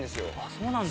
そうなんだ。